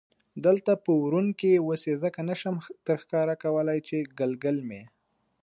دلته په ورون کې، اوس یې ځکه نه شم درښکاره کولای چې ګلګل مې.